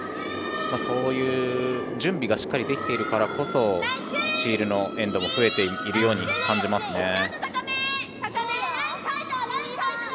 そういう準備がしっかりできているからこそスチールのエンドも増えているように感じますね。